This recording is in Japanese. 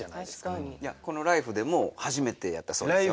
この「ＬＩＦＥ！」でも初めてやったそうですよ。